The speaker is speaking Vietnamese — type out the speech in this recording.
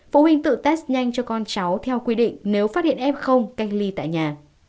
phụ huynh tự test nhanh cho con cháu theo quy định nếu phát hiện f cách ly tại nhà